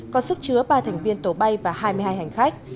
có sức chứa ba thành viên tổ bay và hai mươi hai hành khách